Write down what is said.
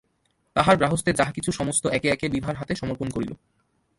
তাহার গার্হস্থ্যের যাহা- কিছু সমস্ত একে একে বিভার হাতে সমর্পণ করিল।